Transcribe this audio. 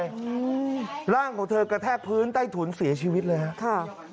กระแทกพื้นไต้ถุนเสียชีวิตเลยครับ